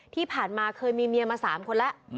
ที่ผ่านมาเคยมีเมียมา๓คนแล้ว